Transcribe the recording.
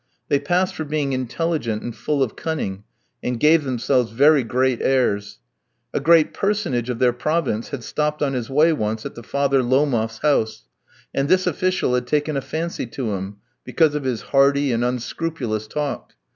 They passed for being intelligent and full of cunning, and gave themselves very great airs. A great personage of their province had stopped on his way once at the father Lomof's house, and this official had taken a fancy to him, because of his hardy and unscrupulous talk.